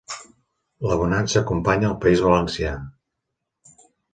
La bonança acompanya el País Valencià